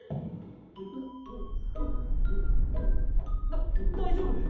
だ大丈夫？